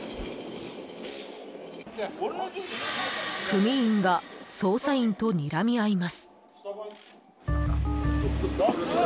組員が捜査員とにらみ合います。